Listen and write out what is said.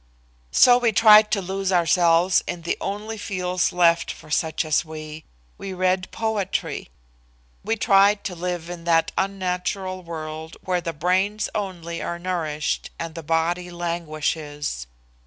So we tried to lose ourselves in the only fields left for such as we. We read poetry. We tried to live in that unnatural world where the brains only are nourished and the body languishes.